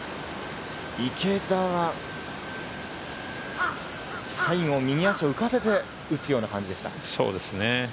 池田は最後、右足を浮かせて打つような感じでした。